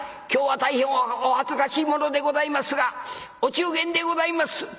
今日は大変お恥ずかしいものでございますがお中元でございます。